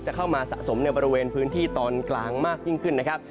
เข้ามาสะสมในบริเวณพื้นที่ตอนกลางมากยิ่งขึ้นนะครับ